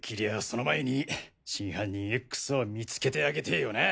その前に真犯人Ｘを見つけてあげてぇよな。